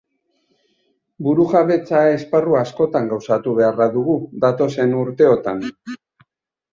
Burujabetza esparru askotan gauzatu beharra dugu datozen urteotan.